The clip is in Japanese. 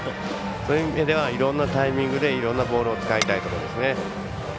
そういう意味ではいろんなタイミングでいろんなボールを使いたいところですね。